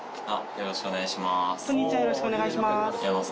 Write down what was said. よろしくお願いします。